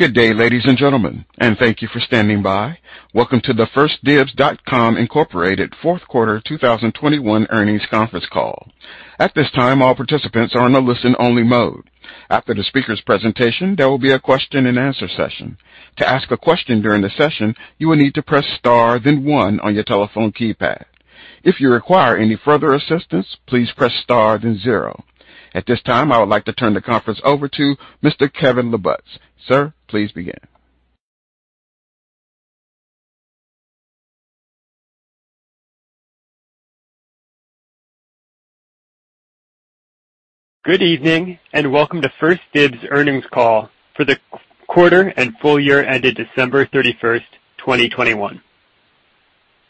Good day, ladies and gentlemen, and thank you for standing by. Welcome to the 1stDibs.com, Inc fourth quarter 2021 earnings conference call. At this time, all participants are in a listen-only mode. After the speaker's presentation, there will be a question and answer session. To ask a question during the session, you will need to press Star, then one on your telephone keypad. If you require any further assistance, please press Star, then zero. At this time, I would like to turn the conference over to Mr. Kevin LaBuz. Sir, please begin. Good evening, and welcome to 1stDibs earnings call for the fourth quarter and full-year ended December 31st, 2021.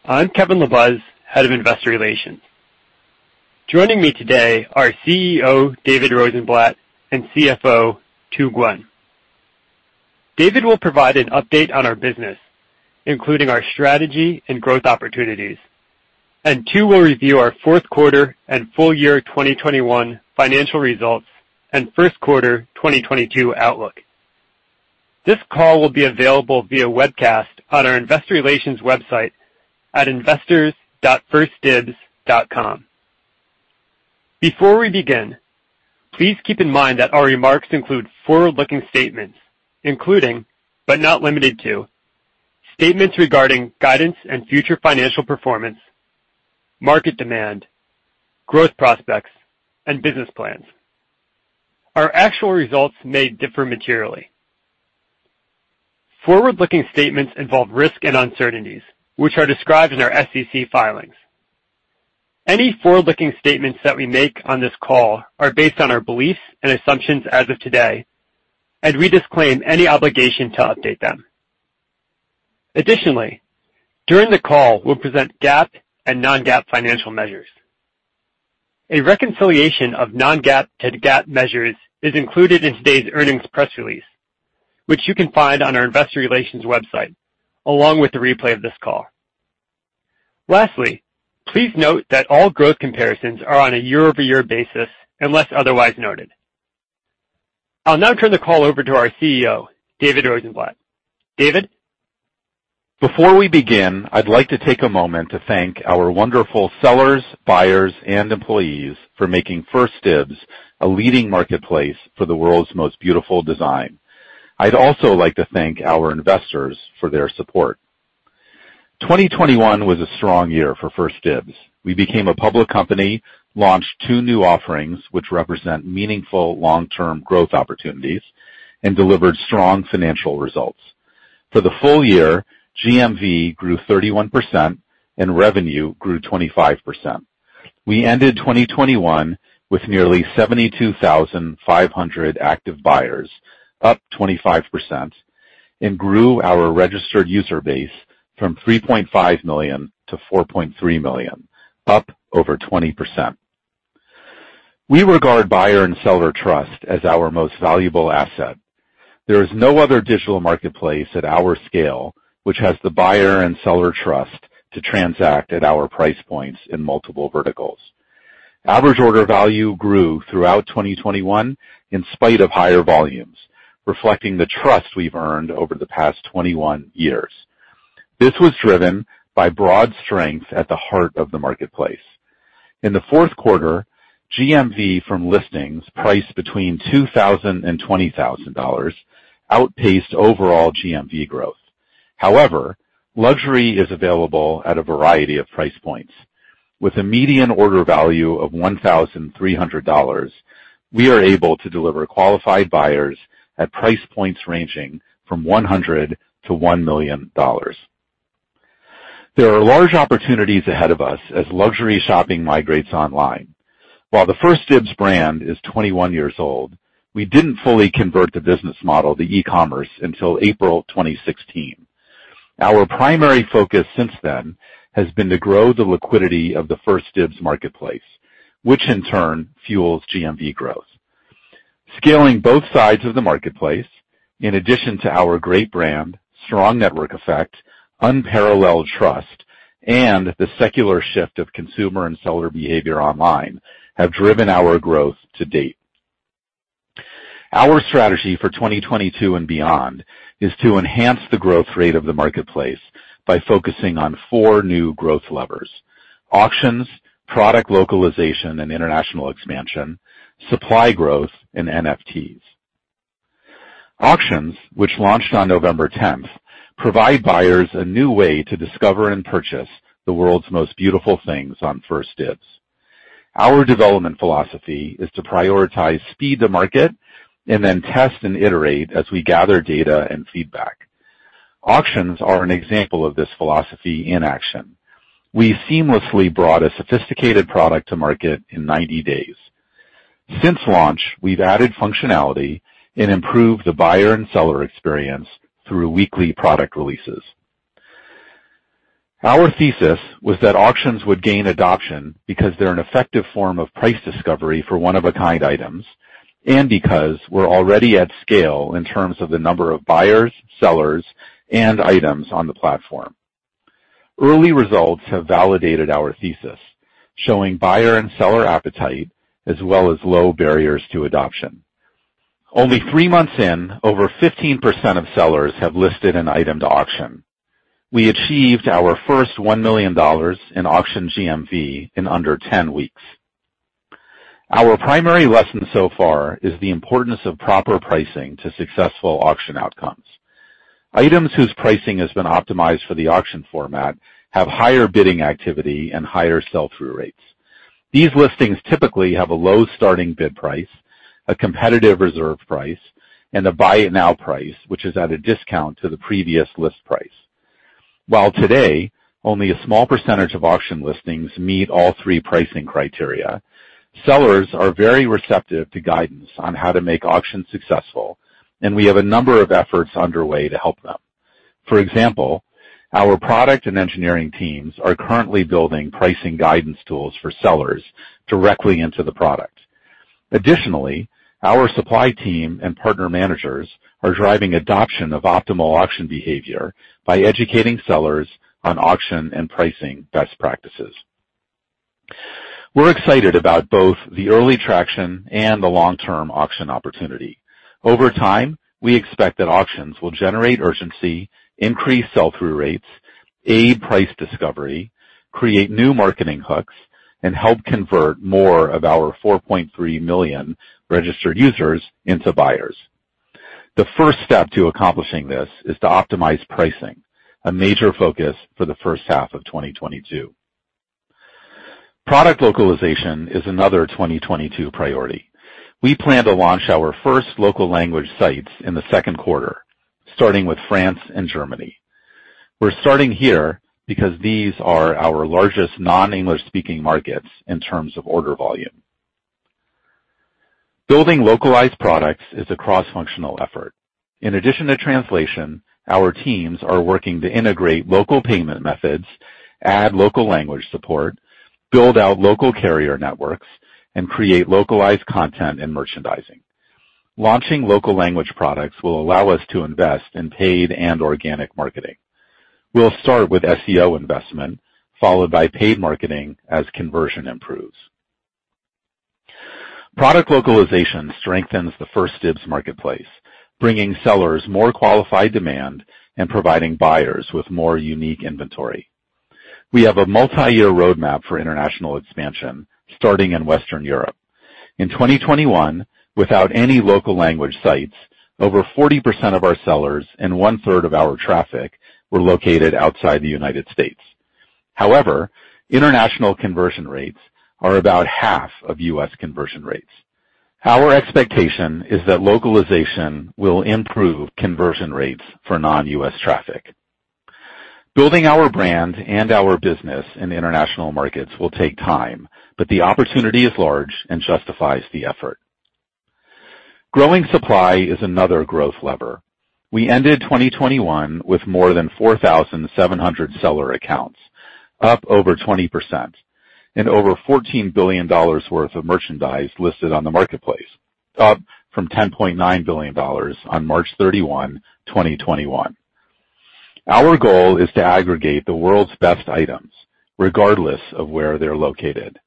I'm Kevin LaBuz, Head of Investor Relations. Joining me today are CEO David Rosenblatt and CFO Tu Nguyen. David will provide an update on our business, including our strategy and growth opportunities, and Tu will review our fourth quarter and full-year 2021 financial results and first quarter 2022 outlook. This call will be available via webcast on our investor relations website at investors.1stdibs.com. Before we begin, please keep in mind that our remarks include forward-looking statements, including, but not limited to, statements regarding guidance and future financial performance, market demand, growth prospects, and business plans. Our actual results may differ materially. Forward-looking statements involve risk and uncertainties, which are described in our SEC filings. Any forward-looking statements that we make on this call are based on our beliefs and assumptions as of today, and we disclaim any obligation to update them. Additionally, during the call, we'll present GAAP and non-GAAP financial measures. A reconciliation of non-GAAP to GAAP measures is included in today's earnings press release, which you can find on our investor relations website, along with the replay of this call. Lastly, please note that all growth comparisons are on a year-over-year basis, unless otherwise noted. I'll now turn the call over to our CEO, David Rosenblatt. David. Before we begin, I'd like to take a moment to thank our wonderful sellers, buyers, and employees for making 1stDibs a leading marketplace for the world's most beautiful design. I'd also like to thank our investors for their support. 2021 was a strong year for 1stDibs. We became a public company, launched two new offerings, which represent meaningful long-term growth opportunities, and delivered strong financial results. For the full-year, GMV grew 31%, and revenue grew 25%. We ended 2021 with nearly 72,500 active buyers, up 25%, and grew our registered user base from 3.5 million to 4.3 million, up over 20%. We regard buyer and seller trust as our most valuable asset. There is no other digital marketplace at our scale which has the buyer and seller trust to transact at our price points in multiple verticals. Average order value grew throughout 2021 in spite of higher volumes, reflecting the trust we've earned over the past 21 years. This was driven by broad strength at the heart of the marketplace. In the fourth quarter, GMV from listings priced between $2,000 and $20,000 outpaced overall GMV growth. However, luxury is available at a variety of price points. With a median order value of $1,300, we are able to deliver qualified buyers at price points ranging from $100-$1 million. There are large opportunities ahead of us as luxury shopping migrates online. While the 1stDibs brand is 21 years old, we didn't fully convert the business model to e-commerce until April 2016. Our primary focus since then has been to grow the liquidity of the 1stDibs marketplace, which in turn fuels GMV growth. Scaling both sides of the marketplace, in addition to our great brand, strong network effect, unparalleled trust, and the secular shift of consumer and seller behavior online, have driven our growth to date. Our strategy for 2022 and beyond is to enhance the growth rate of the marketplace by focusing on four new growth levers. Auctions, product localization and international expansion, supply growth, and NFTs. Auctions, which launched on November 10th, provide buyers a new way to discover and purchase the world's most beautiful things on 1stDibs. Our development philosophy is to prioritize speed to market and then test and iterate as we gather data and feedback. Auctions are an example of this philosophy in action. We seamlessly brought a sophisticated product to market in 90 days. Since launch, we've added functionality and improved the buyer and seller experience through weekly product releases. Our thesis was that auctions would gain adoption because they're an effective form of price discovery for one-of-a-kind items, and because we're already at scale in terms of the number of buyers, sellers, and items on the platform. Early results have validated our thesis, showing buyer and seller appetite, as well as low barriers to adoption. Only three months in, over 15% of sellers have listed an item to auction. We achieved our first $1 million in auction GMV in under 10 weeks. Our primary lesson so far is the importance of proper pricing to successful auction outcomes. Items whose pricing has been optimized for the auction format have higher bidding activity and higher sell-through rates. These listings typically have a low starting bid price, a competitive reserve price, and a buy it now price, which is at a discount to the previous list price. While today, only a small percentage of auction listings meet all three pricing criteria, sellers are very receptive to guidance on how to make auctions successful, and we have a number of efforts underway to help them. For example, our product and engineering teams are currently building pricing guidance tools for sellers directly into the product. Additionally, our supply team and partner managers are driving adoption of optimal auction behavior by educating sellers on auction and pricing best practices. We're excited about both the early traction and the long-term auction opportunity. Over time, we expect that auctions will generate urgency, increase sell-through rates, aid price discovery, create new marketing hooks, and help convert more of our 4.3 million registered users into buyers. The first step to accomplishing this is to optimize pricing, a major focus for the first half of 2022. Product localization is another 2022 priority. We plan to launch our first local language sites in the second quarter, starting with France and Germany. We're starting here because these are our largest non-English speaking markets in terms of order volume. Building localized products is a cross-functional effort. In addition to translation, our teams are working to integrate local payment methods, add local language support, build out local carrier networks, and create localized content and merchandising. Launching local language products will allow us to invest in paid and organic marketing. We'll start with SEO investment, followed by paid marketing as conversion improves. Product localization strengthens the 1stDibs marketplace, bringing sellers more qualified demand and providing buyers with more unique inventory. We have a multi-year roadmap for international expansion, starting in Western Europe. In 2021, without any local language sites, over 40% of our sellers and 1/3 of our traffic were located outside the United States. However, international conversion rates are about half of U.S. conversion rates. Our expectation is that localization will improve conversion rates for non-U.S. traffic. Building our brand and our business in the international markets will take time, but the opportunity is large and justifies the effort. Growing supply is another growth lever. We ended 2021 with more than 4,700 seller accounts, up over 20%, and over $14 billion worth of merchandise listed on the marketplace, up from $10.9 billion on March 31, 2021. Our goal is to aggregate the world's best items, regardless of where they're located.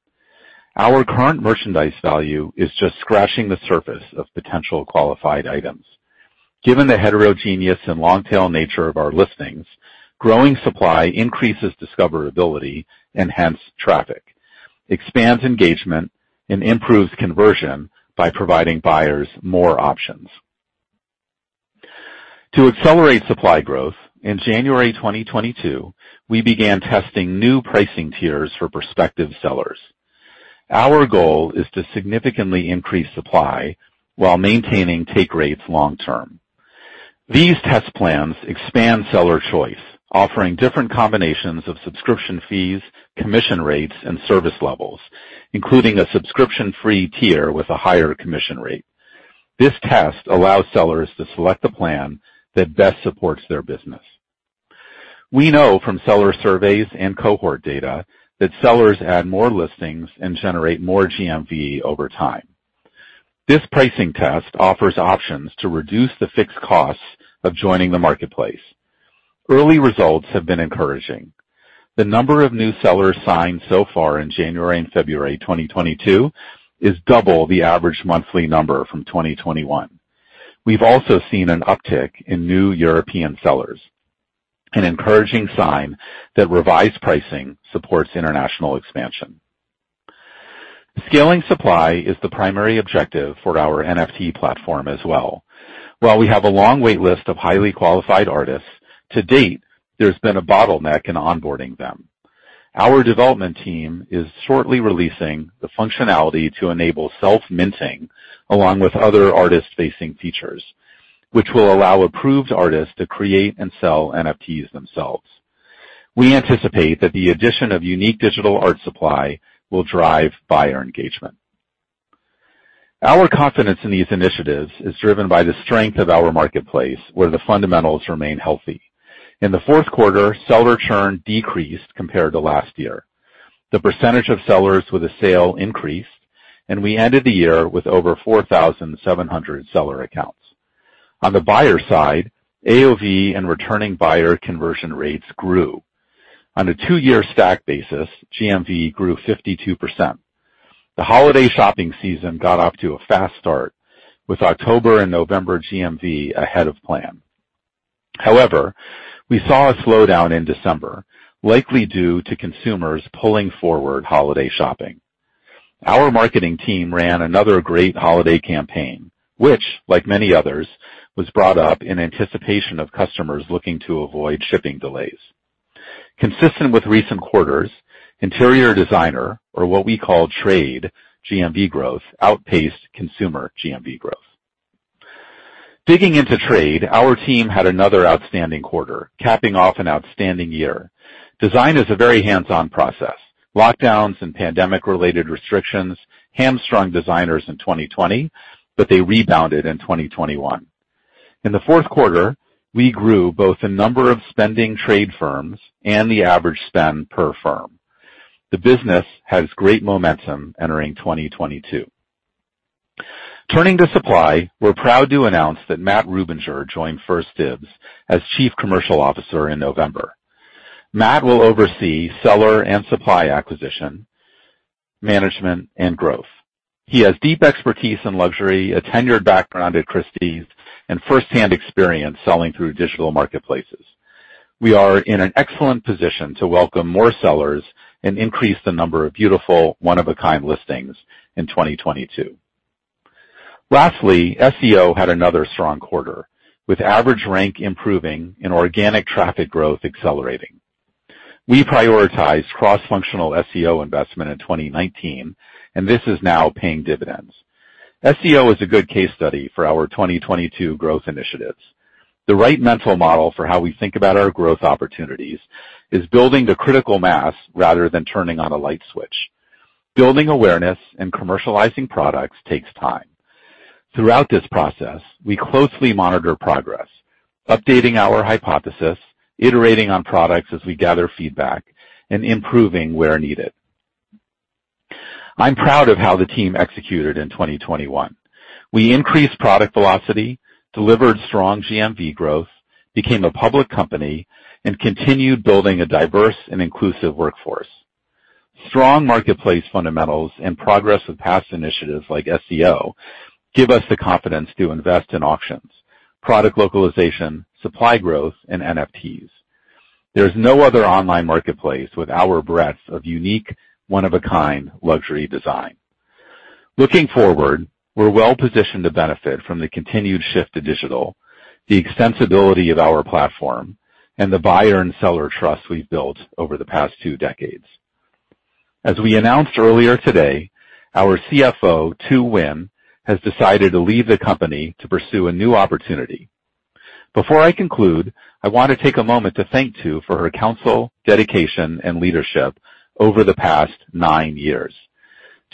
Our current merchandise value is just scratching the surface of potential qualified items. Given the heterogeneous and long-tail nature of our listings, growing supply increases discoverability and hence traffic, expands engagement, and improves conversion by providing buyers more options. To accelerate supply growth, in January 2022, we began testing new pricing tiers for prospective sellers. Our goal is to significantly increase supply while maintaining take rates long-term. These test plans expand seller choice, offering different combinations of subscription fees, commission rates, and service levels, including a subscription-free tier with a higher commission rate. This test allows sellers to select the plan that best supports their business. We know from seller surveys and cohort data that sellers add more listings and generate more GMV over time. This pricing test offers options to reduce the fixed costs of joining the marketplace. Early results have been encouraging. The number of new sellers signed so far in January and February 2022 is double the average monthly number from 2021. We've also seen an uptick in new European sellers, an encouraging sign that revised pricing supports international expansion. Scaling supply is the primary objective for our NFT platform as well. While we have a long wait list of highly qualified artists, to date, there's been a bottleneck in onboarding them. Our development team is shortly releasing the functionality to enable self-minting, along with other artist-facing features, which will allow approved artists to create and sell NFTs themselves. We anticipate that the addition of unique digital art supply will drive buyer engagement. Our confidence in these initiatives is driven by the strength of our marketplace, where the fundamentals remain healthy. In the fourth quarter, seller churn decreased compared to last year. The percentage of sellers with a sale increased, and we ended the year with over 4,700 seller accounts. On the buyer side, AOV and returning buyer conversion rates grew. On a two-year stack basis, GMV grew 52%. The holiday shopping season got off to a fast start, with October and November GMV ahead of plan. However, we saw a slowdown in December, likely due to consumers pulling forward holiday shopping. Our marketing team ran another great holiday campaign, which like many others, was brought up in anticipation of customers looking to avoid shipping delays. Consistent with recent quarters, interior designer, or what we call trade GMV growth, outpaced consumer GMV growth. Digging into trade, our team had another outstanding quarter, capping off an outstanding year. Design is a very hands-on process. Lockdowns and pandemic related restrictions hamstrung designers in 2020, but they rebounded in 2021. In the fourth quarter, we grew both the number of spending trade firms and the average spend per firm. The business has great momentum entering 2022. Turning to supply, we're proud to announce that Matthew Rubinger joined 1stDibs as Chief Commercial Officer in November. Matt will oversee seller and supply acquisition, management, and growth. He has deep expertise in luxury, a tenured background at Christie's, and first-hand experience selling through digital marketplaces. We are in an excellent position to welcome more sellers and increase the number of beautiful one-of-a-kind listings in 2022. Lastly, SEO had another strong quarter, with average rank improving and organic traffic growth accelerating. We prioritized cross-functional SEO investment in 2019, and this is now paying dividends. SEO is a good case study for our 2022 growth initiatives. The right mental model for how we think about our growth opportunities is building the critical mass rather than turning on a light switch. Building awareness and commercializing products takes time. Throughout this process, we closely monitor progress, updating our hypothesis, iterating on products as we gather feedback, and improving where needed. I'm proud of how the team executed in 2021. We increased product velocity, delivered strong GMV growth, became a public company, and continued building a diverse and inclusive workforce. Strong marketplace fundamentals and progress with past initiatives like SEO give us the confidence to invest in auctions, product localization, supply growth, and NFTs. There's no other online marketplace with our breadth of unique, one-of-a-kind luxury design. Looking forward, we're well-positioned to benefit from the continued shift to digital, the extensibility of our platform, and the buyer and seller trust we've built over the past two decades. As we announced earlier today, our CFO, Tu Nguyen, has decided to leave the company to pursue a new opportunity. Before I conclude, I want to take a moment to thank Tu for her counsel, dedication, and leadership over the past nine years.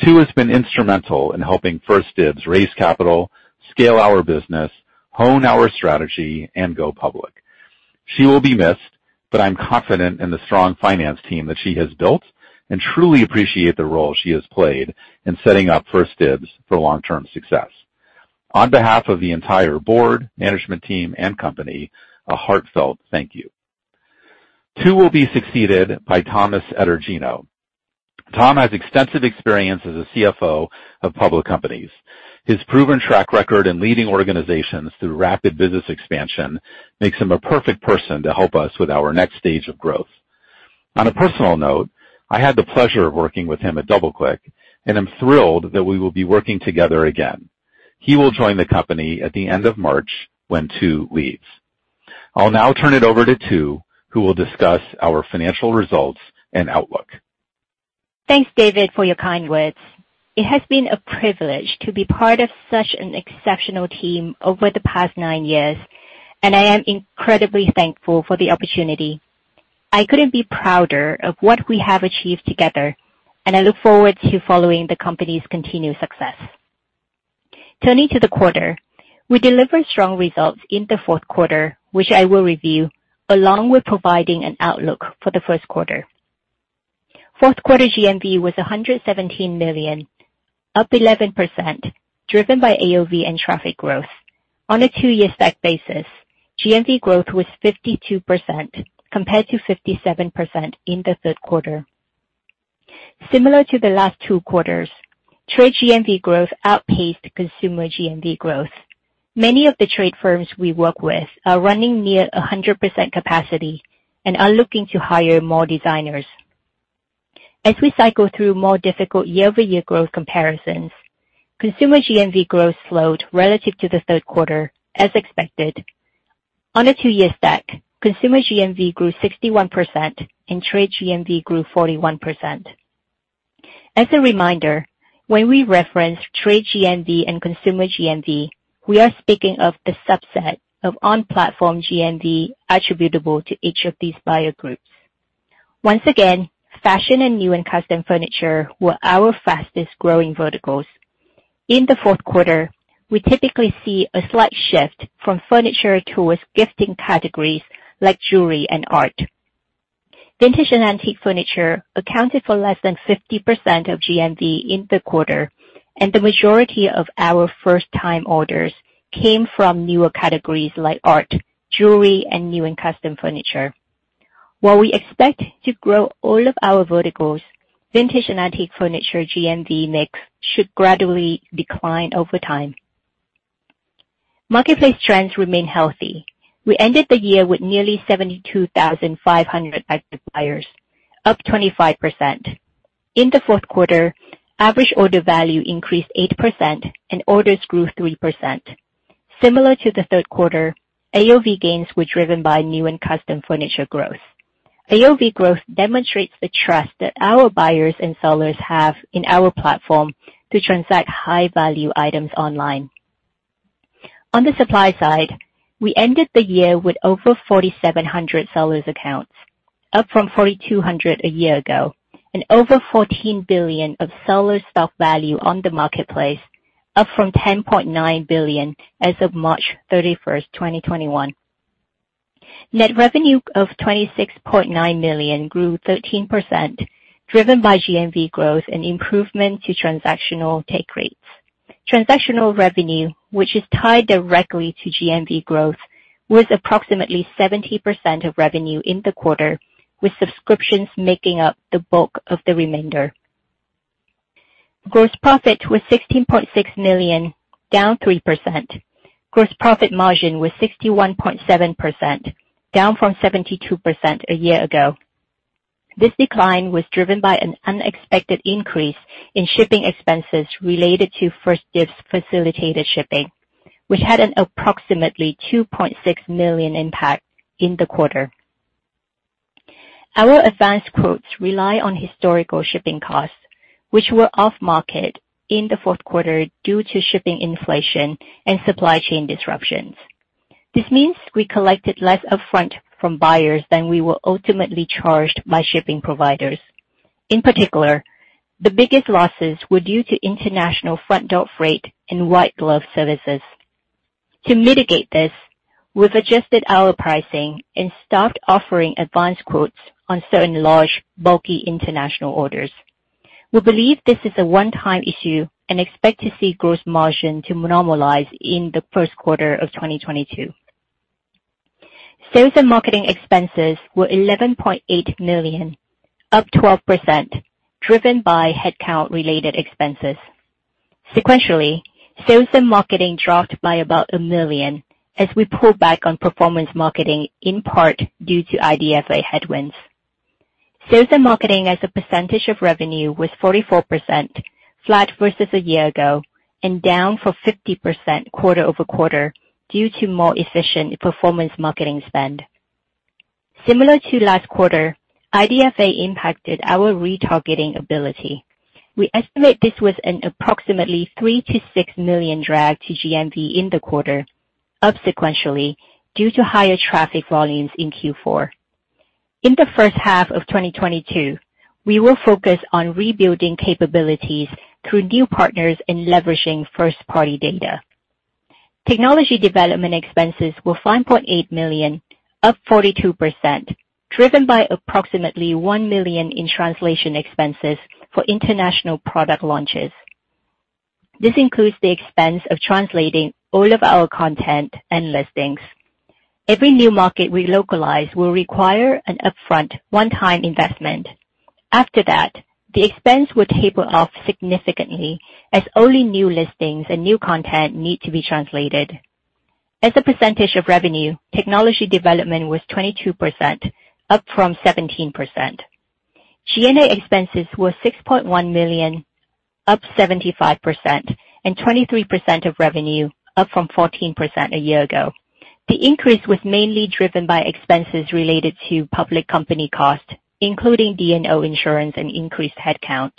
Tu has been instrumental in helping 1stDibs raise capital, scale our business, hone our strategy, and go public. She will be missed, but I'm confident in the strong finance team that she has built and truly appreciate the role she has played in setting up 1stDibs for long-term success. On behalf of the entire board, management team, and company, a heartfelt thank you. Tu will be succeeded by Thomas Etergino. Tom has extensive experience as a CFO of public companies. His proven track record in leading organizations through rapid business expansion makes him a perfect person to help us with our next stage of growth. On a personal note, I had the pleasure of working with him at DoubleClick, and I'm thrilled that we will be working together again. He will join the company at the end of March when Tu leaves. I'll now turn it over to Tu, who will discuss our financial results and outlook. Thanks, David, for your kind words. It has been a privilege to be part of such an exceptional team over the past nine years, and I am incredibly thankful for the opportunity. I couldn't be prouder of what we have achieved together, and I look forward to following the company's continued success. Turning to the quarter, we delivered strong results in the fourth quarter, which I will review, along with providing an outlook for the first quarter. Fourth quarter GMV was $117 million, up 11%, driven by AOV and traffic growth. On a two-year stack basis, GMV growth was 52% compared to 57% in the third quarter. Similar to the last two quarters, trade GMV growth outpaced consumer GMV growth. Many of the trade firms we work with are running near 100% capacity and are looking to hire more designers. As we cycle through more difficult year-over-year growth comparisons, consumer GMV growth slowed relative to the third quarter, as expected. On a two-year stack, consumer GMV grew 61% and trade GMV grew 41%. As a reminder, when we reference trade GMV and consumer GMV, we are speaking of the subset of on-platform GMV attributable to each of these buyer groups. Once again, fashion and new and custom furniture were our fastest-growing verticals. In the fourth quarter, we typically see a slight shift from furniture towards gifting categories like jewelry and art. Vintage and antique furniture accounted for less than 50% of GMV in the quarter, and the majority of our first time orders came from newer categories like art, jewelry, and new and custom furniture. While we expect to grow all of our verticals, vintage and antique furniture GMV mix should gradually decline over time. Marketplace trends remain healthy. We ended the year with nearly 72,500 active buyers, up 25%. In the fourth quarter, average order value increased 8% and orders grew 3%. Similar to the third quarter, AOV gains were driven by new and custom furniture growth. AOV growth demonstrates the trust that our buyers and sellers have in our platform to transact high value items online. On the supply side, we ended the year with over 4,700 sellers accounts, up from 4,200 a year ago, and over $14 billion of seller stock value on the marketplace, up from $10.9 billion as of March 31st, 2021. Net revenue of $26.9 million grew 13%, driven by GMV growth and improvement to transactional take rates. Transactional revenue, which is tied directly to GMV growth, was approximately 70% of revenue in the quarter, with subscriptions making up the bulk of the remainder. Gross profit was $16.6 million, down 3%. Gross profit margin was 61.7%, down from 72% a year ago. This decline was driven by an unexpected increase in shipping expenses related to 1stDibs's facilitated shipping, which had an approximately $2.6 million impact in the quarter. Our advanced quotes rely on historical shipping costs, which were off market in the fourth quarter due to shipping inflation and supply chain disruptions. This means we collected less upfront from buyers than we were ultimately charged by shipping providers. In particular, the biggest losses were due to international front door freight and white glove services. To mitigate this, we've adjusted our pricing and stopped offering advanced quotes on certain large, bulky international orders. We believe this is a one-time issue and expect to see gross margin to normalize in the first quarter of 2022. Sales and marketing expenses were $11.8 million, up 12%, driven by headcount-related expenses. Sequentially, sales and marketing dropped by about a million as we pulled back on performance marketing, in part due to IDFA headwinds. Sales and marketing as a percentage of revenue was 44%, flat versus a year ago, and down from 50% quarter-over-quarter due to more efficient performance marketing spend. Similar to last quarter, IDFA impacted our retargeting ability. We estimate this was an approximately $3 million-$6 million drag to GMV in the quarter, up sequentially, due to higher traffic volumes in Q4. In the first half of 2022, we will focus on rebuilding capabilities through new partners and leveraging first-party data. Technology development expenses were $5.8 million, up 42%, driven by approximately $1 million in translation expenses for international product launches. This includes the expense of translating all of our content and listings. Every new market we localize will require an upfront one-time investment. After that, the expense will taper off significantly as only new listings and new content need to be translated. As a percentage of revenue, technology development was 22%, up from 17%. G&A expenses were $6.1 million, up 75%, and 23% of revenue, up from 14% a year ago. The increase was mainly driven by expenses related to public company cost, including D&O insurance and increased headcount.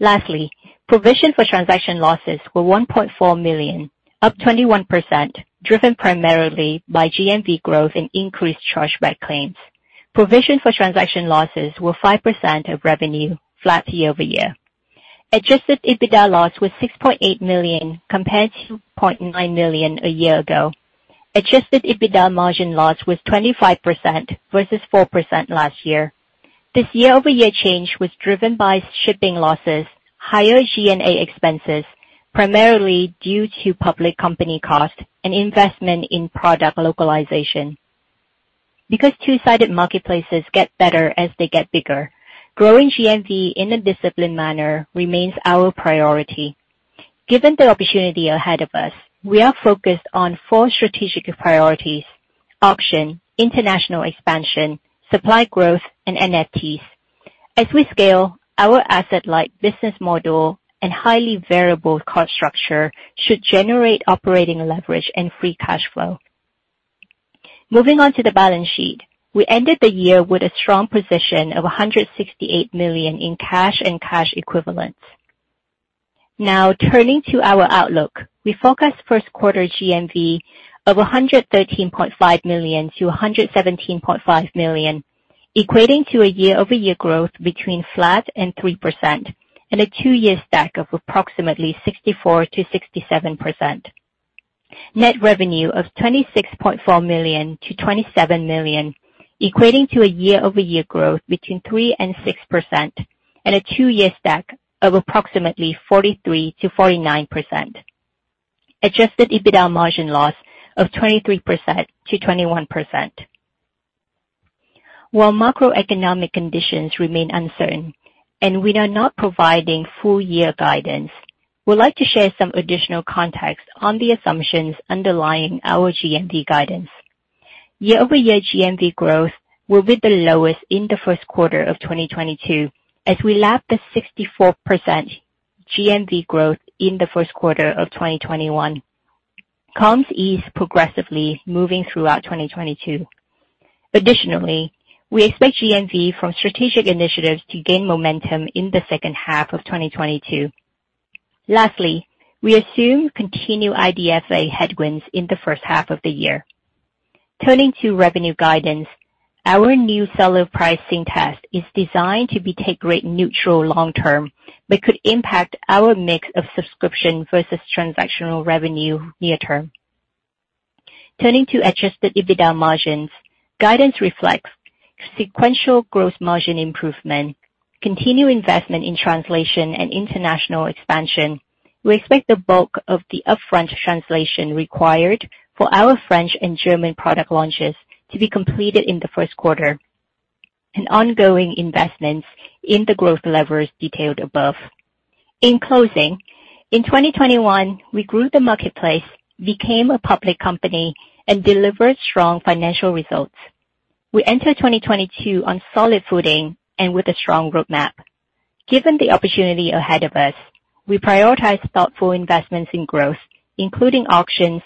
Lastly, provision for transaction losses were $1.4 million, up 21%, driven primarily by GMV growth and increased chargeback claims. Provision for transaction losses were 5% of revenue, flat year-over-year. Adjusted EBITDA loss was $6.8 million compared to $0.9 million a year ago. Adjusted EBITDA margin loss was 25% versus 4% last year. This year-over-year change was driven by shipping losses, higher G&A expenses, primarily due to public company cost and investment in product localization. Because two-sided marketplaces get better as they get bigger, growing GMV in a disciplined manner remains our priority. Given the opportunity ahead of us, we are focused on four strategic priorities, auction, international expansion, supply growth, and NFTs. As we scale, our asset-like business model and highly variable cost structure should generate operating leverage and free cash flow. Moving on to the balance sheet. We ended the year with a strong position of $168 million in cash and cash equivalents. Now, turning to our outlook. We forecast first quarter GMV of $113.5 million to $117.5 million, equating to a year-over-year growth between flat and 3% and a two-year stack of approximately 64% to 67%. Net revenue of $26.4 million to $27 million, equating to a year-over-year growth between 3% and 6%, and a two-year stack of approximately 43% and 49%. Adjusted EBITDA margin loss of 23% to 21%. While macroeconomic conditions remain uncertain and we are not providing full-year guidance, we'd like to share some additional context on the assumptions underlying our GMV guidance. Year-over-year GMV growth will be the lowest in the first quarter of 2022 as we lap the 64% GMV growth in the first quarter of 2021. Comps ease progressively moving throughout 2022. Additionally, we expect GMV from strategic initiatives to gain momentum in the second half of 2022. Lastly, we assume continued IDFA headwinds in the first half of the year. Turning to revenue guidance, our new seller pricing test is designed to be take rate neutral long-term, but could impact our mix of subscription versus transactional revenue near-term. Turning to adjusted EBITDA margins, guidance reflects sequential growth margin improvement, continued investment in translation and international expansion. We expect the bulk of the upfront translation required for our French and German product launches to be completed in the first quarter and ongoing investments in the growth levers detailed above. In closing, in 2021, we grew the marketplace, became a public company, and delivered strong financial results. We enter 2022 on solid footing and with a strong roadmap. Given the opportunity ahead of us, we prioritize thoughtful investments in growth, including auctions,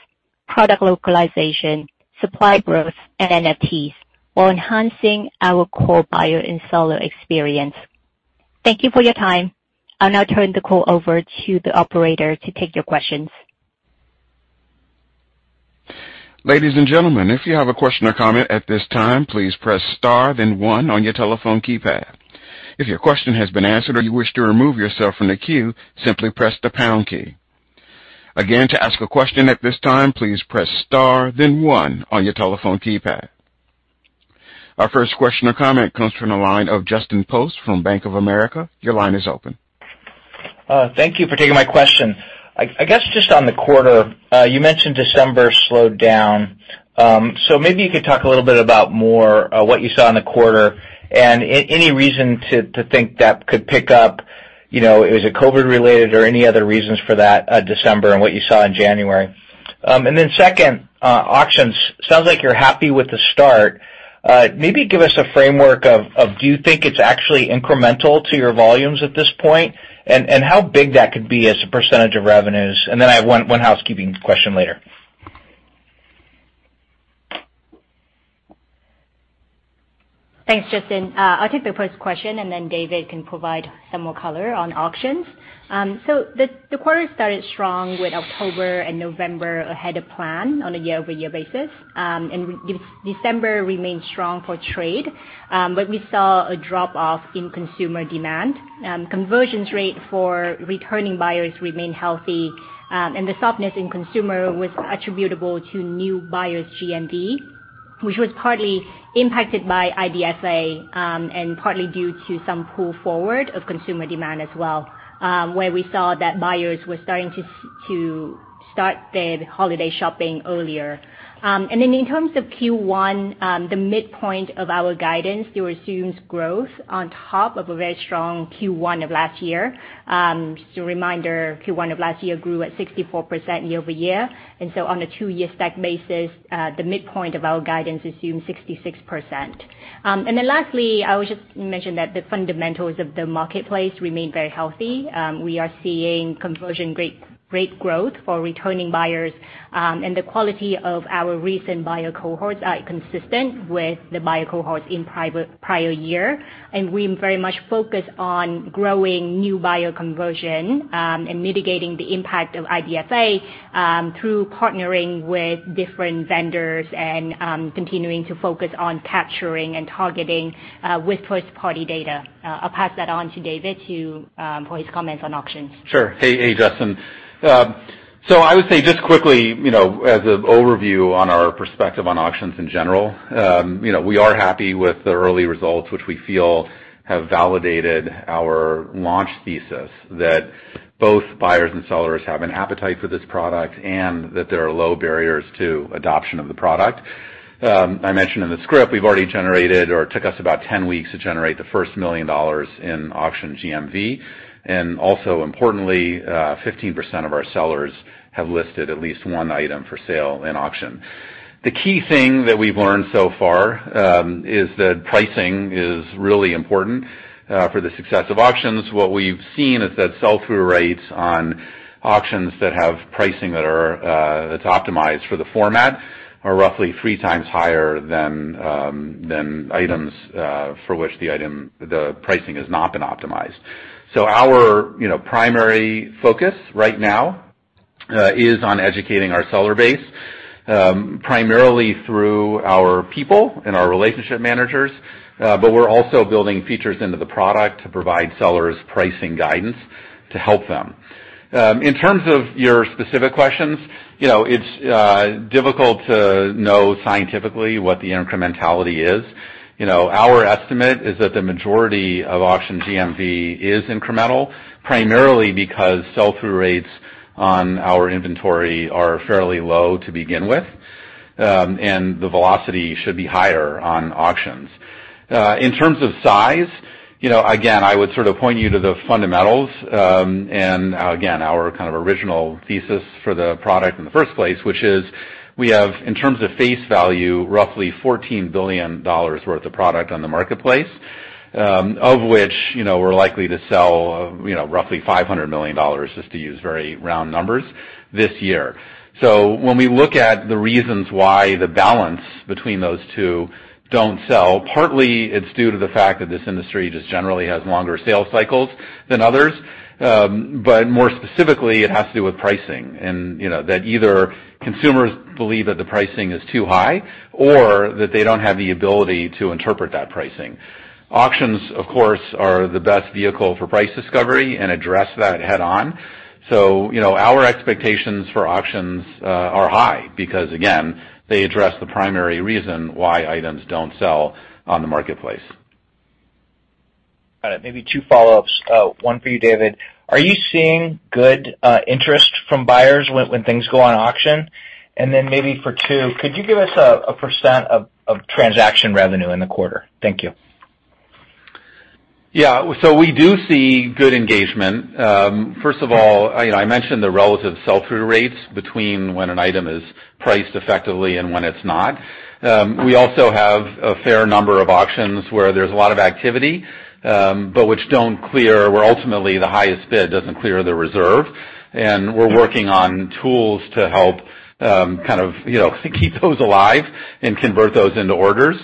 product localization, supply growth, and NFTs, while enhancing our core buyer and seller experience. Thank you for your time. I'll now turn the call over to the operator to take your questions. Ladies and Gentlemen, if you have a question or comment at this time please press star then one on your telephone keypad, if your question has been answered or you wish to remove yourself from the queue, simply press the pound key. Again to ask a question at this time, press star then one on your telephone keypad. Our first question or comment comes from the line of Justin Post from Bank of America. Your line is open. Thank you for taking my question. I guess just on the quarter, you mentioned December slowed down. So maybe you could talk a little bit about more what you saw in the quarter and any reason to think that could pick up, you know, is it COVID related or any other reasons for that December and what you saw in January? And then second, auctions. Sounds like you're happy with the start. Maybe give us a framework of do you think it's actually incremental to your volumes at this point? And how big that could be as a percentage of revenues? And then I have one housekeeping question later. Thanks, Justin. I'll take the first question, and then David can provide some more color on auctions. The quarter started strong with October and November ahead of plan on a year-over-year basis. December remained strong for trade, but we saw a drop-off in consumer demand. Conversion rate for returning buyers remained healthy, and the softness in consumer was attributable to new buyers GMV, which was partly impacted by IDFA, and partly due to some pull forward of consumer demand as well, where we saw that buyers were starting to start their holiday shopping earlier. In terms of Q1, the midpoint of our guidance still assumes growth on top of a very strong Q1 of last year. Just a reminder, Q1 of last year grew at 64% year-over-year. On a two-year stack basis, the midpoint of our guidance assumes 66%. Lastly, I would just mention that the fundamentals of the marketplace remain very healthy. We are seeing conversion rate growth for returning buyers, and the quality of our recent buyer cohorts are consistent with the buyer cohorts in prior year. We're very much focused on growing new buyer conversion and mitigating the impact of IDFA through partnering with different vendors and continuing to focus on capturing and targeting with first-party data. I'll pass that on to David for his comments on auctions. Sure. Hey, Justin. So I would say just quickly, you know, as an overview on our perspective on auctions in general, you know, we are happy with the early results, which we feel have validated our launch thesis that both buyers and sellers have an appetite for this product and that there are low barriers to adoption of the product. I mentioned in the script we've already generated or it took us about 10 weeks to generate the first $1 million in auction GMV. Also importantly, 15% of our sellers have listed at least one item for sale in auction. The key thing that we've learned so far is that pricing is really important for the success of auctions. What we've seen is that sell-through rates on auctions that have pricing that's optimized for the format are roughly three times higher than items for which the pricing has not been optimized. Our, you know, primary focus right now is on educating our seller base, primarily through our people and our relationship managers, but we're also building features into the product to provide sellers pricing guidance to help them. In terms of your specific questions, you know, it's difficult to know scientifically what the incrementality is. You know, our estimate is that the majority of auction GMV is incremental, primarily because sell-through rates on our inventory are fairly low to begin with, and the velocity should be higher on auctions. In terms of size, you know, again, I would sort of point you to the fundamentals, and again, our kind of original thesis for the product in the first place, which is we have, in terms of face value, roughly $14 billion worth of product on the marketplace, of which, you know, we're likely to sell, you know, roughly $500 million, just to use very round numbers, this year. When we look at the reasons why the balance between those two don't sell, partly it's due to the fact that this industry just generally has longer sales cycles than others. More specifically, it has to do with pricing and, you know, that either consumers believe that the pricing is too high or that they don't have the ability to interpret that pricing. Auctions, of course, are the best vehicle for price discovery and address that head on. You know, our expectations for auctions are high because, again, they address the primary reason why items don't sell on the marketplace. Got it. Maybe two follow-ups. One for you, David. Are you seeing good interest from buyers when things go on auction? Maybe for Tu, could you give us a percent of transaction revenue in the quarter? Thank you. Yeah. We do see good engagement. First of all, you know, I mentioned the relative sell-through rates between when an item is priced effectively and when it's not. We also have a fair number of auctions where there's a lot of activity, but which don't clear, where ultimately the highest bid doesn't clear the reserve. We're working on tools to help kind of, you know, to keep those alive and convert those into orders.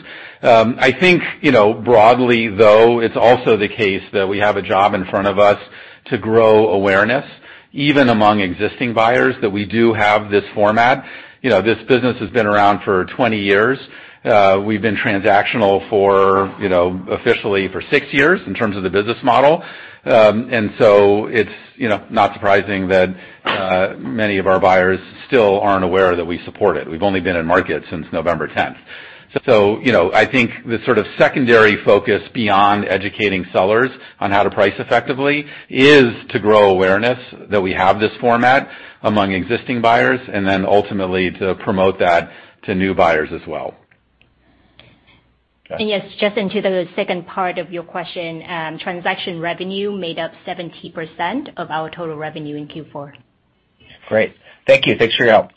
I think, you know, broadly, though, it's also the case that we have a job in front of us to grow awareness, even among existing buyers, that we do have this format. You know, this business has been around for 20 years. We've been transactional for, you know, officially for six years in terms of the business model. It's, you know, not surprising that many of our buyers still aren't aware that we support it. We've only been in market since November tenth. You know, I think the sort of secondary focus beyond educating sellers on how to price effectively is to grow awareness that we have this format among existing buyers and then ultimately to promote that to new buyers as well. Okay. Yes, just into the second part of your question, transaction revenue made up 70% of our total revenue in Q4. Great. Thank you. Thanks for your help.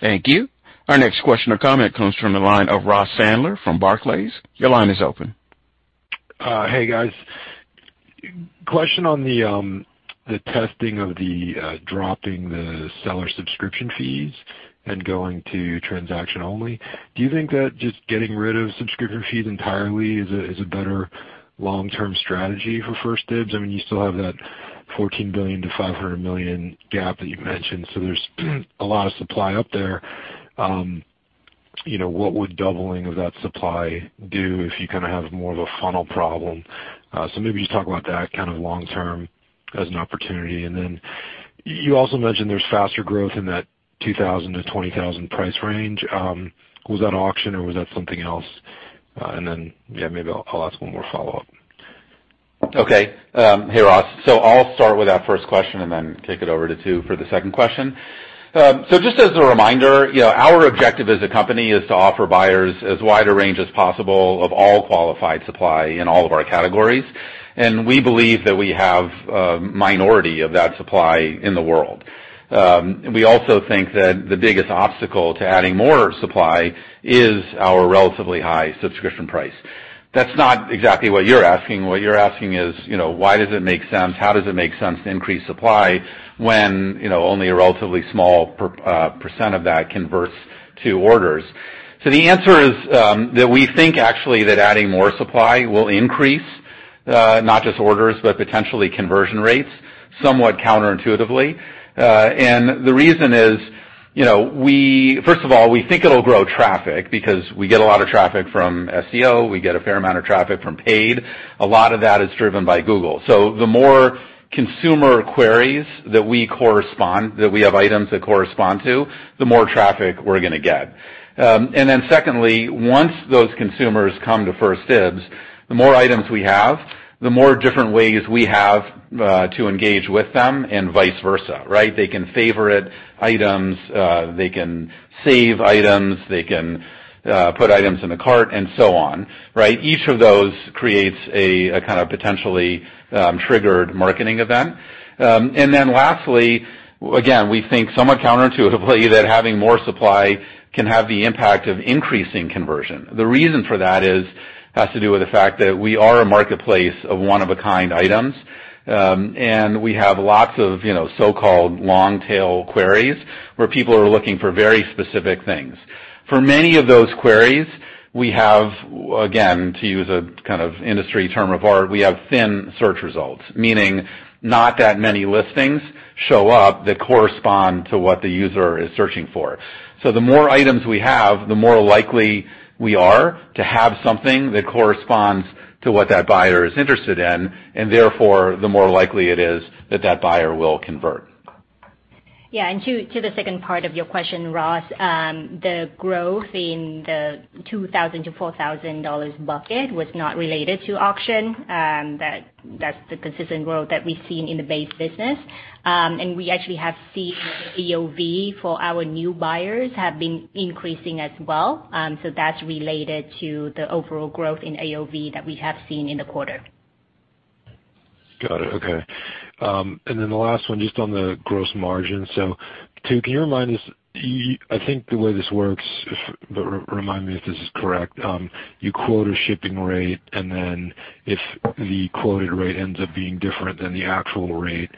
Thank you. Our next question or comment comes from the line of Ross Sandler from Barclays. Your line is open. Hey, guys. Question on the testing of the dropping the seller subscription fees and going to transaction only. Do you think that just getting rid of subscription fees entirely is a better long-term strategy for 1stDibs? I mean, you still have that $14 billion-$500 million gap that you mentioned, so there's a lot of supply up there. You know, what would doubling of that supply do if you kind of have more of a funnel problem? Maybe just talk about that kind of long-term as an opportunity. You also mentioned there's faster growth in that 2,000-20,000 price range. Was that auction or was that something else? Yeah, maybe I'll ask one more follow-up. Okay. Hey, Ross. I'll start with that first question and then kick it over to Tu for the second question. Just as a reminder, you know, our objective as a company is to offer buyers as wide a range as possible of all qualified supply in all of our categories, and we believe that we have a minority of that supply in the world. We also think that the biggest obstacle to adding more supply is our relatively high subscription price. That's not exactly what you're asking. What you're asking is, you know, why does it make sense? How does it make sense to increase supply when, you know, only a relatively small percent of that converts to orders? The answer is, that we think actually that adding more supply will increase, not just orders, but potentially conversion rates, somewhat counterintuitively. The reason is, you know, first of all, we think it'll grow traffic because we get a lot of traffic from SEO, we get a fair amount of traffic from paid. A lot of that is driven by Google. The more consumer queries that we have items that correspond to, the more traffic we're gonna get. Secondly, once those consumers come to 1stDibs, the more items we have, the more different ways we have, to engage with them and vice versa, right? They can favorite items, they can save items, they can put items in a cart, and so on, right? Each of those creates a kind of potentially triggered marketing event. Lastly, again, we think somewhat counterintuitively that having more supply can have the impact of increasing conversion. The reason for that has to do with the fact that we are a marketplace of one-of-a-kind items, and we have lots of, you know, so-called long tail queries where people are looking for very specific things. For many of those queries, we have, again, to use a kind of industry term of art, we have thin search results, meaning not that many listings show up that correspond to what the user is searching for. The more items we have, the more likely we are to have something that corresponds to what that buyer is interested in, and therefore, the more likely it is that that buyer will convert. Yeah. To the second part of your question, Ross, the growth in the $2,000 to $4,000 bucket was not related to auction. That's the consistent growth that we've seen in the base business. We actually have seen AOV for our new buyers have been increasing as well. That's related to the overall growth in AOV that we have seen in the quarter. Got it. Okay. The last one, just on the gross margin. Can you remind us, I think the way this works, remind me if this is correct, you quote a shipping rate, and then if the quoted rate ends up being different than the actual rate,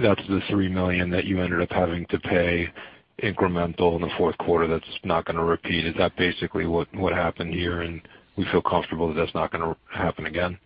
that's the $3 million that you ended up having to pay incremental in the fourth quarter that's not gonna repeat. Is that basically what happened here, and we feel comfortable that that's not gonna happen again?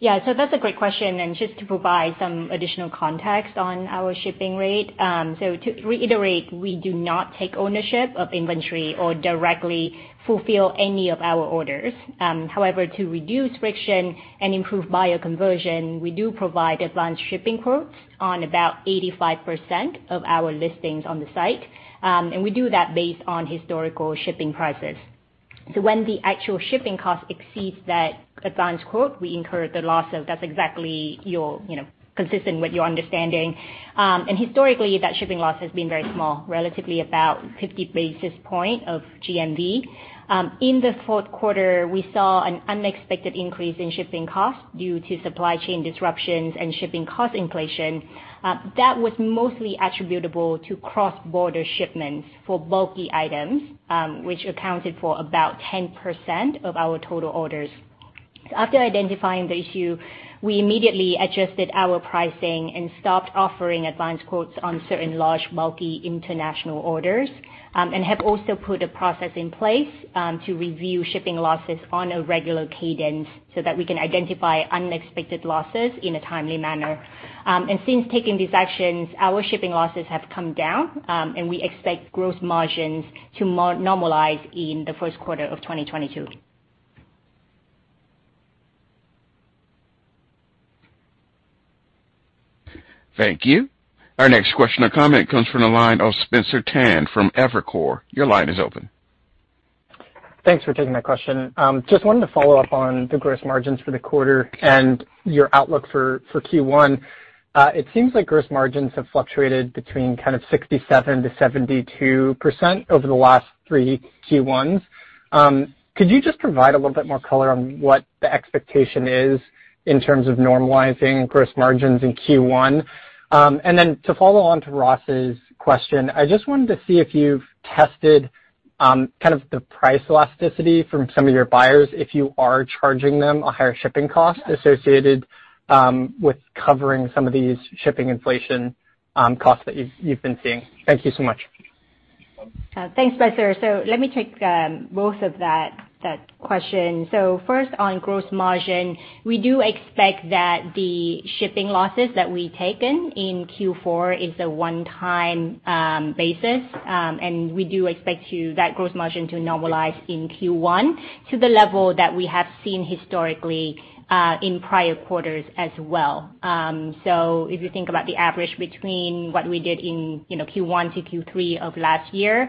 Yeah. That's a great question, and just to provide some additional context on our shipping rate. To reiterate, we do not take ownership of inventory or directly fulfill any of our orders. However, to reduce friction and improve buyer conversion, we do provide advanced shipping quotes on about 85% of our listings on the site. And we do that based on historical shipping prices. When the actual shipping cost exceeds that advanced quote, we incur the loss. That's exactly, you know, consistent with your understanding. And historically, that shipping loss has been very small, relatively about 50 basis points of GMV. In the fourth quarter, we saw an unexpected increase in shipping costs due to supply chain disruptions and shipping cost inflation, that was mostly attributable to cross-border shipments for bulky items, which accounted for about 10% of our total orders. After identifying the issue, we immediately adjusted our pricing and stopped offering advanced quotes on certain large bulky international orders, and have also put a process in place, to review shipping losses on a regular cadence so that we can identify unexpected losses in a timely manner. Since taking these actions, our shipping losses have come down, and we expect gross margins to normalize in the first quarter of 2022. Thank you. Our next question or comment comes from the line of Spencer Tan from Evercore. Your line is open. Thanks for taking my question. Just wanted to follow up on the gross margins for the quarter and your outlook for Q1. It seems like gross margins have fluctuated between kind of 67%-72% over the last three Q1s. Could you just provide a little bit more color on what the expectation is in terms of normalizing gross margins in Q1? To follow on to Ross's question, I just wanted to see if you've tested kind of the price elasticity from some of your buyers if you are charging them a higher shipping cost associated with covering some of these shipping inflation costs that you've been seeing. Thank you so much. Thanks, Spencer. Let me take both of those questions. First on gross margin, we do expect that the shipping losses that we've taken in Q4 is a one-time basis, and we do expect that gross margin to normalize in Q1 to the level that we have seen historically in prior quarters as well. If you think about the average between what we did in, you know, Q1 to Q3 of last year,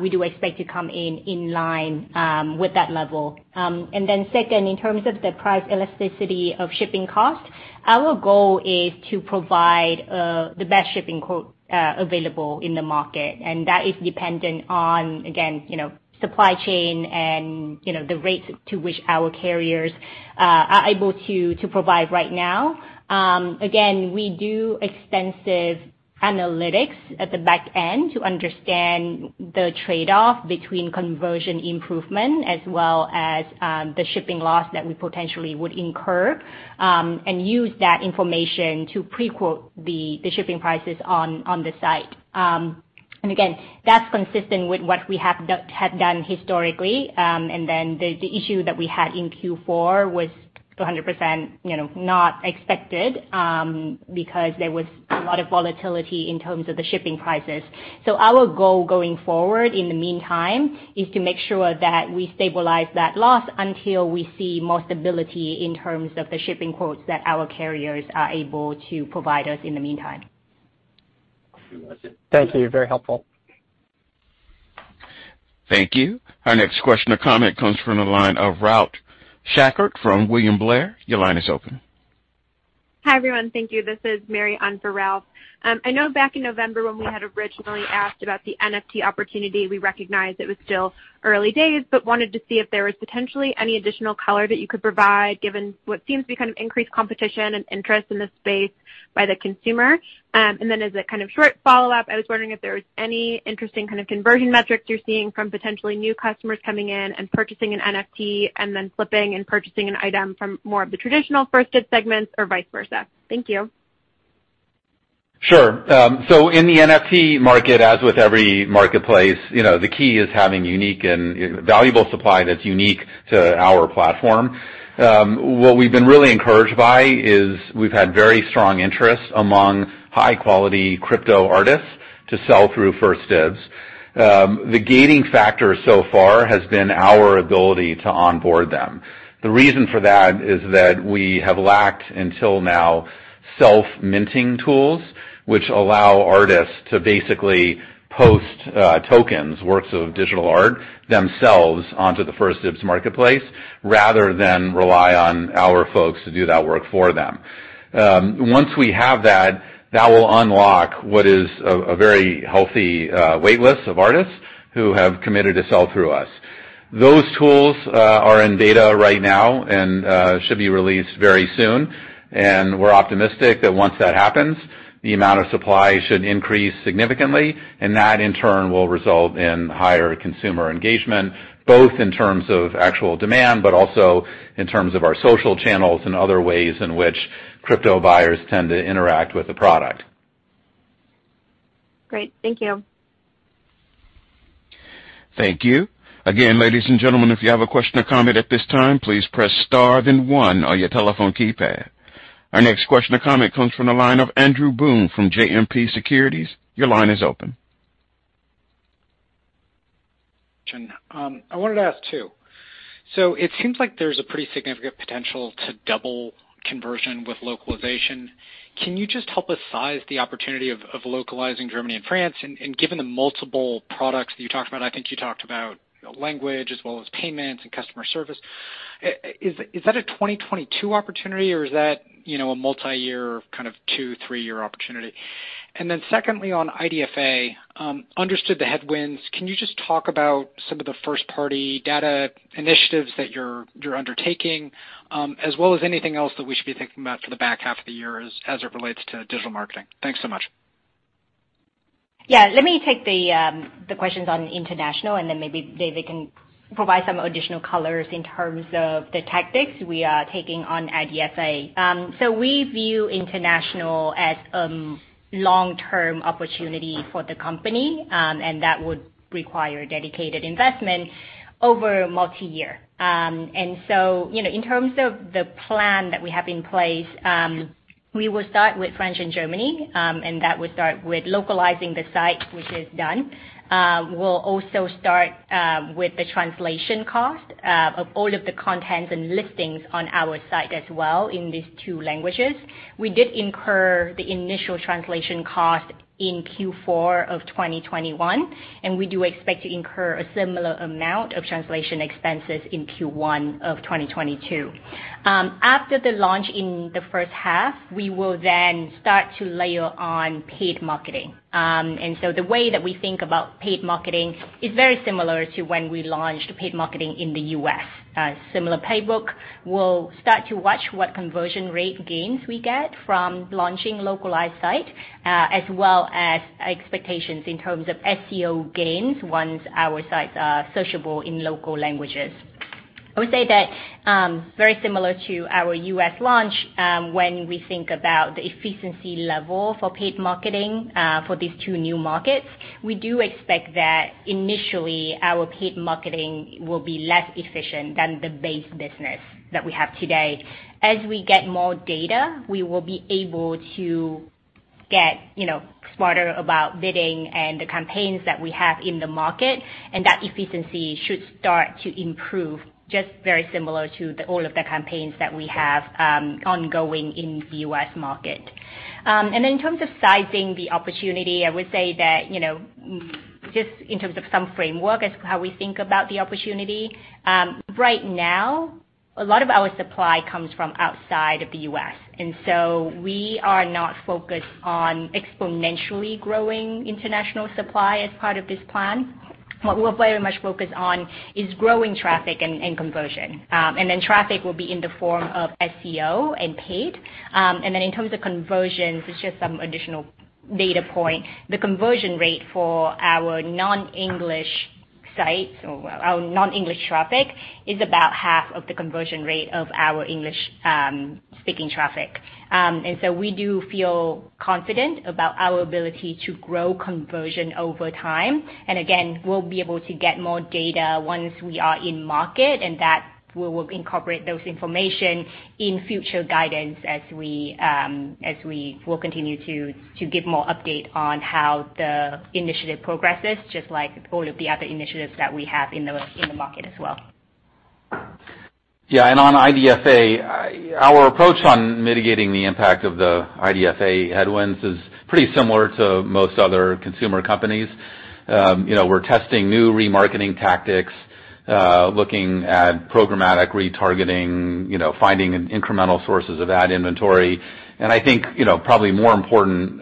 we do expect to come in line with that level. Second, in terms of the price elasticity of shipping costs, our goal is to provide the best shipping quote available in the market, and that is dependent on, again, you know, supply chain and, you know, the rates to which our carriers are able to provide right now. Again, we do extensive analytics at the back end to understand the trade-off between conversion improvement as well as the shipping loss that we potentially would incur, and use that information to pre-quote the shipping prices on the site. Again, that's consistent with what we have done historically. The issue that we had in Q4 was 100%, you know, not expected, because there was a lot of volatility in terms of the shipping prices. Our goal going forward in the meantime is to make sure that we stabilize that loss until we see more stability in terms of the shipping quotes that our carriers are able to provide us in the meantime. Thank you. Very helpful. Thank you. Our next question or comment comes from the line of Ralph Schackart from William Blair. Your line is open. Hi, everyone. Thank you. This is Mary on for Ralph. I know back in November when we had originally asked about the NFT opportunity, we recognized it was still early days, but wanted to see if there was potentially any additional color that you could provide given what seems to be kind of increased competition and interest in this space by the consumer. As a kind of short follow-up, I was wondering if there was any interesting kind of conversion metrics you're seeing from potentially new customers coming in and purchasing an NFT and then flipping and purchasing an item from more of the traditional ThredUp segments or vice versa. Thank you. Sure. In the NFT market, as with every marketplace, you know, the key is having unique and valuable supply that's unique to our platform. What we've been really encouraged by is we've had very strong interest among high-quality crypto artists to sell through 1stDibs. The gating factor so far has been our ability to onboard them. The reason for that is that we have lacked, until now, self-minting tools, which allow artists to basically post tokens, works of digital art themselves onto the 1stDibs marketplace, rather than rely on our folks to do that work for them. Once we have that will unlock what is a very healthy wait list of artists who have committed to sell through us. Those tools are in beta right now and should be released very soon. We're optimistic that once that happens, the amount of supply should increase significantly, and that, in turn, will result in higher consumer engagement, both in terms of actual demand, but also in terms of our social channels and other ways in which crypto buyers tend to interact with the product. Great. Thank you. Thank you. Again, ladies and gentlemen, if you have a question or comment at this time, please press star then one on your telephone keypad. Our next question or comment comes from the line of Andrew Boone from JMP Securities. Your line is open. I wanted to ask, too. It seems like there's a pretty significant potential to double conversion with localization. Can you just help us size the opportunity of localizing Germany and France? Given the multiple products that you talked about, I think you talked about language as well as payments and customer service. Is that a 2022 opportunity, or is that, you know, a multi-year kind of two, three-year opportunity? Secondly, on IDFA, understood the headwinds. Can you just talk about some of the first-party data initiatives that you're undertaking, as well as anything else that we should be thinking about for the back half of the year as it relates to digital marketing? Thanks so much. Yeah. Let me take the questions on international, and then maybe David can provide some additional colors in terms of the tactics we are taking on IDFA. We view international as long-term opportunity for the company, and that would require dedicated investment over multi-year. You know, in terms of the plan that we have in place, we will start with France and Germany, and that would start with localizing the site, which is done. We'll also start with the translation cost of all of the content and listings on our site as well in these two languages. We did incur the initial translation cost in Q4 of 2021, and we do expect to incur a similar amount of translation expenses in Q1 of 2022. After the launch in the first half, we will then start to layer on paid marketing. The way that we think about paid marketing is very similar to when we launched paid marketing in the U.S. Similar playbook. We'll start to watch what conversion rate gains we get from launching localized site, as well as expectations in terms of SEO gains once our sites are searchable in local languages. I would say that very similar to our U.S. launch, when we think about the efficiency level for paid marketing for these two new markets, we do expect that initially, our paid marketing will be less efficient than the base business that we have today. As we get more data, we will be able to get, you know, smarter about bidding and the campaigns that we have in the market, and that efficiency should start to improve just very similar to all of the campaigns that we have ongoing in the U.S. market. In terms of sizing the opportunity, I would say that, you know, just in terms of some framework as how we think about the opportunity, right now, a lot of our supply comes from outside of the U.S. We are not focused on exponentially growing international supply as part of this plan. What we're very much focused on is growing traffic and conversion. Traffic will be in the form of SEO and paid. In terms of conversions, it's just some additional data point. The conversion rate for our non-English sites or our non-English traffic is about half of the conversion rate of our English speaking traffic. We do feel confident about our ability to grow conversion over time. Again, we'll be able to get more data once we are in market, and that we will incorporate those information in future guidance as we will continue to give more update on how the initiative progresses, just like all of the other initiatives that we have in the market as well. Yeah. On IDFA, our approach on mitigating the impact of the IDFA headwinds is pretty similar to most other consumer companies. You know, we're testing new remarketing tactics, looking at programmatic retargeting, you know, finding incremental sources of ad inventory. I think, you know, probably more important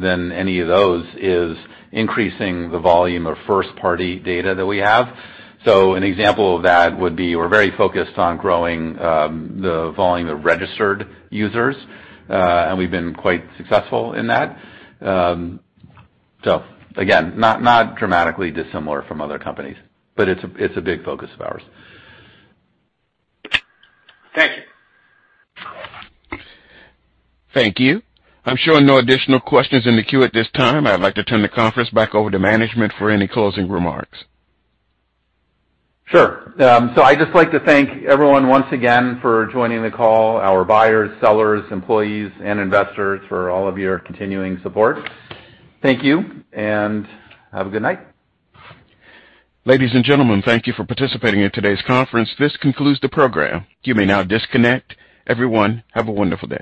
than any of those is increasing the volume of first-party data that we have. An example of that would be we're very focused on growing the volume of registered users, and we've been quite successful in that. Again, not dramatically dissimilar from other companies, but it's a big focus of ours. Thank you. Thank you. I'm showing no additional questions in the queue at this time. I'd like to turn the conference back over to management for any closing remarks. Sure. I'd just like to thank everyone once again for joining the call, our buyers, sellers, employees, and investors for all of your continuing support. Thank you, and have a good night. Ladies and gentlemen, thank you for participating in today's conference. This concludes the program. You may now disconnect. Everyone, have a wonderful day.